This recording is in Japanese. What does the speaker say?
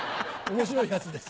面白いヤツです